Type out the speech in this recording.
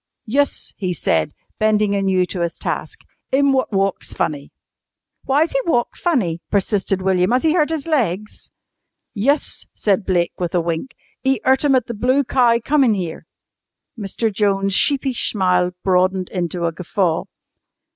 "Yus," he said, bending anew to his task, "'im wot walks funny." "Why's he walk funny?" persisted William. "Has he hurt his legs?" "Yus," said Blake with a wink. "'E 'urt 'em at the Blue Cow comin' 'ere." Mr. Jones' sheepish smile broadened into a guffaw.